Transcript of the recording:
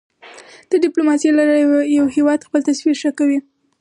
د ډیپلوماسی له لارې یو هېواد خپل تصویر ښه کوی.